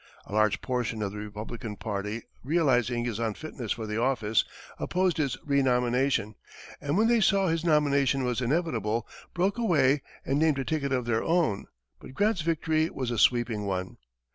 A large portion of the Republican party, realizing his unfitness for the office, opposed his renomination, and when they saw his nomination was inevitable, broke away and named a ticket of their own, but Grant's victory was a sweeping one.